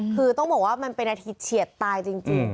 คือต้องบอกว่ามันเป็นนาทีเฉียดตายจริง